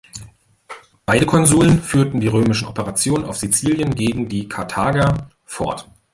Beide Konsuln führten die römischen Operationen auf Sizilien gegen die Karthager fort.